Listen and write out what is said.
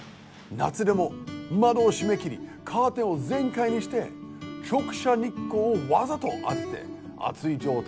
夏でも窓を締め切りカーテンを全開にして直射日光をわざと当てて暑い状態を作っています。